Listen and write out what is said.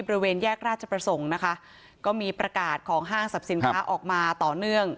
บริเวณแยกราชประสงค์นะคะก็มีประกาศของห้างสรรพสินค้าออกมาต่อเนื่อง